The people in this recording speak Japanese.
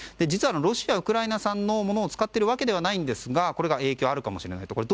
実は、ロシアウクライナ産のものを使っているわけではないんですが影響があるかもしれないと。